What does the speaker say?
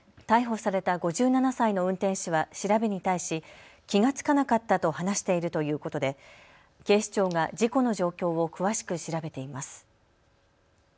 逮捕された５７歳の運転手は調べに対し気が付かなかったと話しているということで警視庁が事故の状況を詳しく調べています。